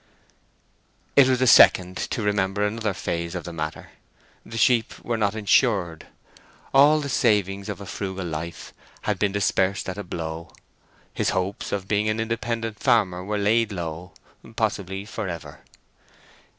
It was a second to remember another phase of the matter. The sheep were not insured. All the savings of a frugal life had been dispersed at a blow; his hopes of being an independent farmer were laid low—possibly for ever.